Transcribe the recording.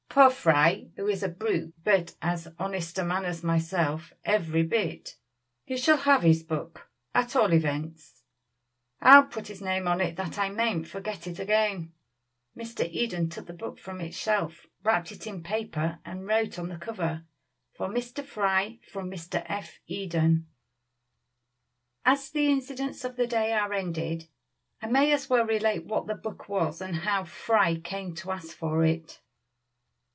Poor Fry, who is a brute, but as honest a man as myself, every bit. He shall have his book, at all events. I'll put his name on it that I mayn't forget it again." Mr. Eden took the book from its shelf, wrapped it in paper, and wrote on the cover, "For Mr. Fry from F. Eden." As the incidents of the day are ended, I may as well relate what this book was and how Fry came to ask for it.